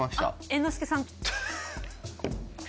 猿之助さん。